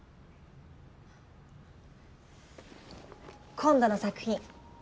今度の作品。